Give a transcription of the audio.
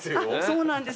そうなんです。